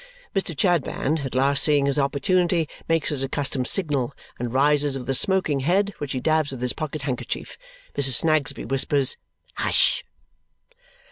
Mr. Chadband, at last seeing his opportunity, makes his accustomed signal and rises with a smoking head, which he dabs with his pocket handkerchief. Mrs. Snagsby whispers "Hush!"